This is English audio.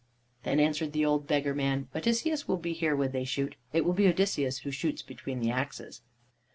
Then answered the old beggar man: "Odysseus will be here when they shoot. It will be Odysseus who shoots between the axes."